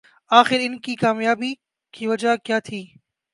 آخر ان کی کامیابی کی وجہ کیا تھی